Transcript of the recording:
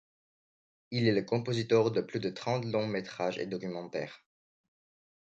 Il est le compositeur de plus de trente longs métrages et documentaires.